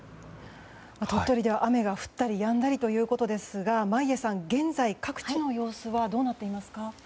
鳥取では雨が降ったりやんだりということですが眞家さん、現在各地の様子はどうなっていますか？